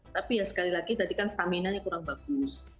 tapi ya sekali lagi tadi kan stamina nya kurang bagus